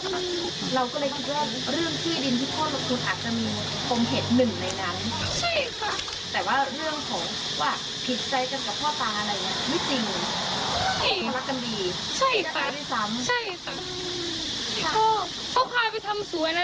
เราก็เลยคิดว่าเรื่องคือยดินที่พ่อเรายังคงตายนะ